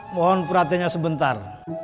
mohon perhatiannya sebentar